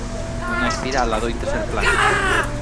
Unha espiral adoita ser plana.